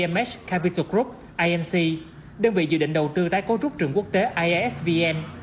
mesh capital group anc đơn vị dự định đầu tư tái cấu trúc trường quốc tế iasvn